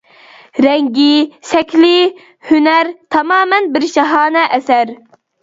رەڭگى، شەكلى، ھۈنەر. تامامەن بىر شاھانە ئەسەر.